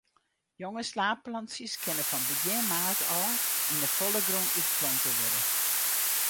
Jonge slaadplantsjes kinne fan begjin maart ôf yn 'e folle grûn útplante wurde.